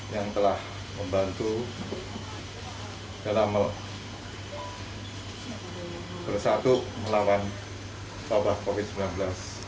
yang telah membantu dalam bersatu melawan wabah covid sembilan belas